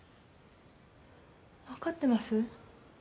分かってます？